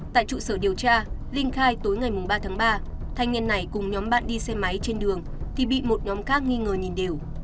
tại trụ sở điều tra linh khai tối ngày ba tháng ba thanh niên này cùng nhóm bạn đi xe máy trên đường thì bị một nhóm khác nghi ngờ nhìn đều